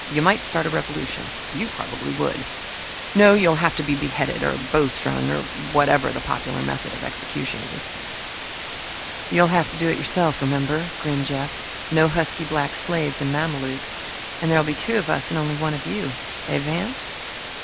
"You might start a revolution probably would. No, you'll have to be beheaded, or bowstrung or whatever the popular method of execution is." "You'd have to do it yourself, remember," grinned Jeff. "No husky black slaves and mamelukes! And there'd be two of us and only one of you eh, Van?"